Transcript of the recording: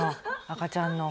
赤ちゃんの。